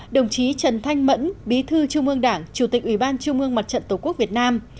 đồng chí trần thanh mẫn bí thư trung ương đảng chủ tịch ủy ban trung ương mặt trận tổ quốc việt nam